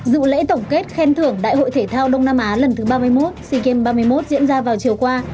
dự lễ tổng kết khen thưởng đại hội thể thao đông nam á lần thứ ba mươi một sea games ba mươi một diễn ra vào chiều qua